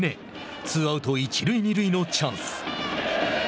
ツーアウト、一塁二塁のチャンス。